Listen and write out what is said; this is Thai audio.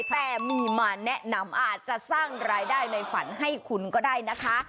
แต่มีมาแนะนำอาจจะสร้างรายได้ในฝันให้คุณก็ได้นะคะ